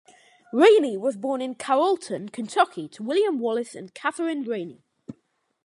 Raney was born in Carrollton, Kentucky, to William Wallace and Katherine Raney.